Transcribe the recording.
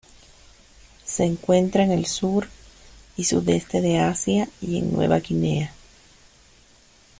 Se encuentra en el sur y sudeste de Asia y en Nueva Guinea.